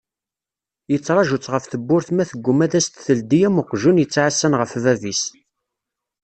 Yettraǧu-tt ɣer tewwurt ma tgumma ad as-teldi am uqjun yettɛassan ɣef bab-is.